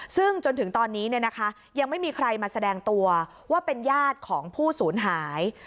ซึ่งจนถึงตอนนี้ยังไม่มีใครมาแสดงตัวว่าเป็นญาติของผู้สูญหาย